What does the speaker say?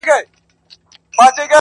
شاعره ياره ستا قربان سمه زه.